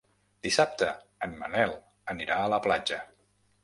Dissabte en Manel anirà a la platja.